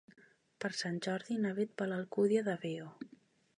Per Sant Jordi na Bet va a l'Alcúdia de Veo.